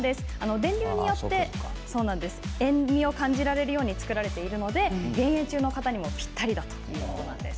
電流によって塩みを感じるように作られているので減塩中の方にもぴったりということです。